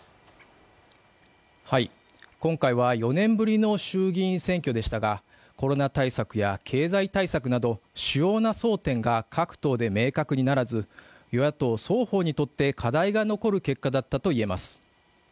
今回は４年ぶりの衆議院選挙でしたがコロナ対策や経済対策など主要な争点が各党で明確にならず与野党双方にとって課題が残る結果だったと言えます。